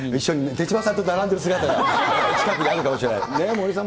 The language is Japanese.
手嶋さんと並んでる姿が近くにあるかもしれない。